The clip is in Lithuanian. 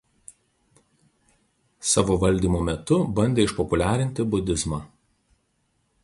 Savo valdymo metu bandė išpopuliarinti budizmą.